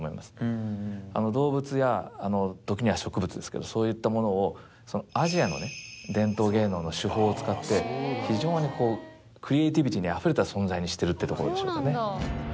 動物や時には植物ですけどそういったものをアジアの伝統芸能の手法を使って非常にクリエイティビティーあふれた存在にしてるってところでしょうかね。